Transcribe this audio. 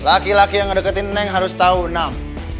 laki laki yang ngedeketin neng harus tahu enam